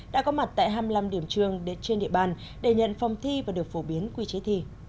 đã có mặt tại hai mươi năm điểm trường trên địa bàn để nhận phòng thi và được phổ biến quy chế thi